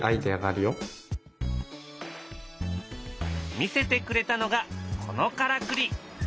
見せてくれたのがこのからくり。